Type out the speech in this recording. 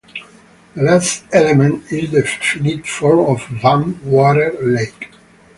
The last element is the finite form of "vann" 'water; lake'.